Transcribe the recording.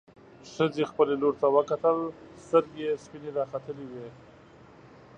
ښځې خپلې لور ته وکتل، سترګې يې سپينې راختلې وې.